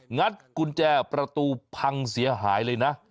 งัดกุญแจประตูพังเสียหายเลยนะ